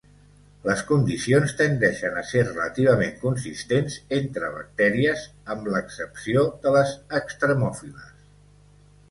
Les condicions tendeixen a ser relativament consistents entre bactèries, amb l'excepció de les extremòfiles.